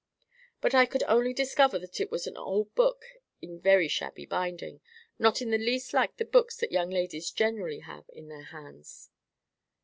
But I could only discover that it was an old book in very shabby binding, not in the least like the books that young ladies generally have in their hands.